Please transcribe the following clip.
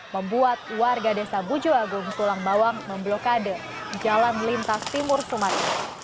membuat warga desa bujuagung tulang bawang memblokade jalan lintas timur sumatera